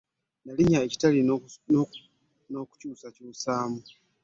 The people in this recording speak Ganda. Nalinnya ekitaliri kungulu n'okukyusakusaamu.